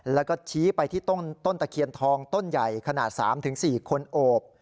แล้วก็ชี้ไปที่ต้นตะเคียนทองต้นใหญ่ขนาด๓๔คนโอบ